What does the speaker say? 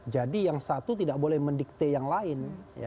yang satu tidak boleh mendikte yang lain